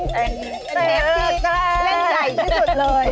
เดนใหญ่ที่สุดเลย